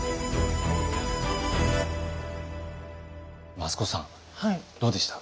益子さんどうでした？